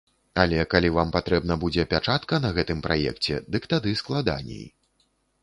Але калі вам патрэбна будзе пячатка на гэтым праекце, дык тады складаней.